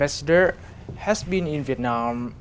quý vị đã từng ở việt nam